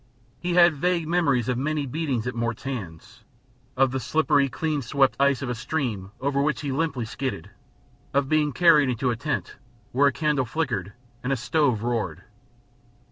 He had vague memories of many beatings at Mort's hands, of the slippery clean swept ice of a stream over which he limply skidded, of being carried into a tent where a candle flickered and a stove roared.